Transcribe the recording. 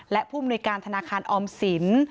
และผู้มนุยการธนาคารออมสิน